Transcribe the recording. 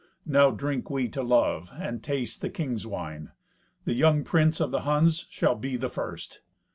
Now drink we to Love, and taste the king's wine. The young prince of the Huns shall be the first."